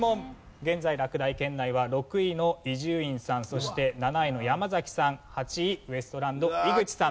現在落第圏内は６位の伊集院さんそして７位の山崎さん８位ウエストランド井口さん。